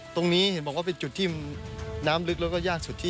ตรงนี้เห็นบอกว่าเป็นจุดที่น้ำลึกแล้วก็ยากสุดที่